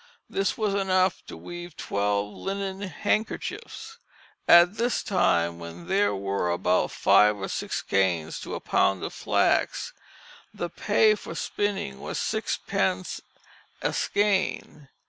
This was enough to weave twelve linen handkerchiefs. At this time when there were about five or six skeins to a pound of flax, the pay for spinning was sixpence a skein.